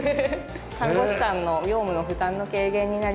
看護師さんの業務の負担の軽減になります。